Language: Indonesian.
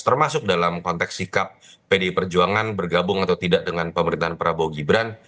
termasuk dalam konteks sikap pdi perjuangan bergabung atau tidak dengan pemerintahan prabowo gibran